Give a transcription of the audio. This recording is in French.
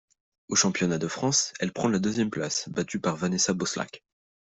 Aux championnats de France, elle prend la deuxième place, battue par Vanessa Boslak.